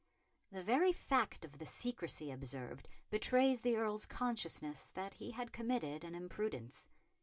] The very fact of the secrecy observed betrays the Earl's consciousness that he had committed an imprudence.